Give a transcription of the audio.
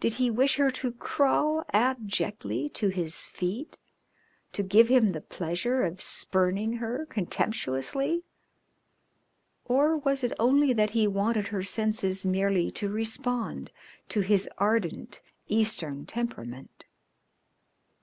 Did he wish her to crawl abjectly to his feet to give him the pleasure of spurning her contemptuously, or was it only that he wanted her senses merely to respond to his ardent, Eastern temperament?